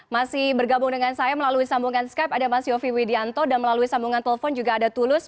masih bergabung dengan saya melalui sambungan skype ada mas yofi widianto dan melalui sambungan telepon juga ada tulus